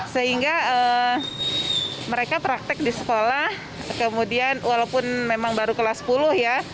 sehingga mereka praktek di sekolah kemudian walaupun memang baru kelas sepuluh ya